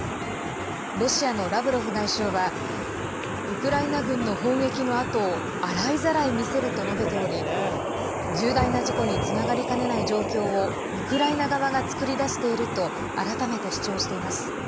ロシアのラブロフ外相はウクライナ軍の砲撃のあとを洗いざらい見せると述べており重大な事故につながりかねない状況をウクライナ側が作り出していると改めて主張しています。